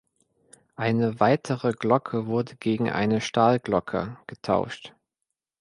Eine weitere Glocke wurde gegen eine Stahlglocke getauscht.